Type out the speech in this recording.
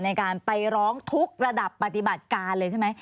ในการไปร้องทุกระดับปฏิบัติการเลยใช่ไหม